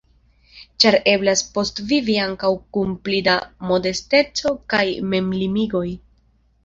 Ĉar eblas postvivi ankaŭ kun pli da modesteco kaj memlimigoj.